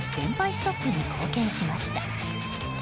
ストップに貢献しました。